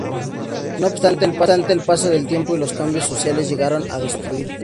No obstante, el paso del tiempo y los cambios sociales llegaron a destruir todo.